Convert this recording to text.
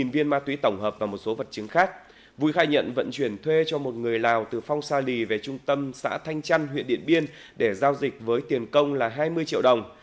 vui khai nhận vận chuyển thuê cho một người lào từ phong sa lì về trung tâm xã thanh trăn huyện điện biên để giao dịch với tiền công là hai mươi triệu đồng